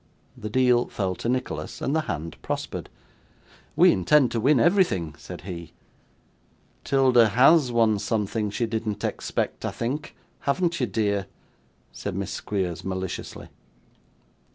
The deal fell to Nicholas, and the hand prospered. 'We intend to win everything,' said he. ''Tilda HAS won something she didn't expect, I think, haven't you, dear?' said Miss Squeers, maliciously.